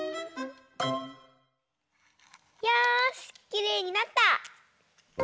きれいになった！